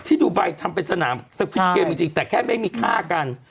ดูไบทำเป็นสนามสวิปเกมจริงแต่แค่ไม่มีค่ากัน